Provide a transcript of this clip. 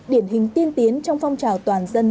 điển hình tiên tiến trong phong trào toàn dân